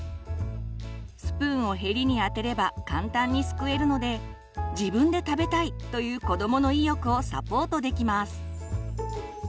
スプーンをヘリに当てれば簡単にすくえるので「自分で食べたい」という子どもの意欲をサポートできます。